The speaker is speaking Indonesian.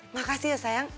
makasih ya sayang